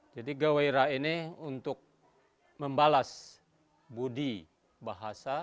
jadi gawai ra ini untuk membalas budi bahasa